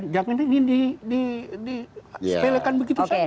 jangan ingin disepelekan begitu saja